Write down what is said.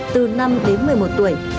từ năm đến một mươi một tuổi